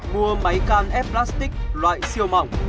mua máy can ép plastic loại siêu mỏng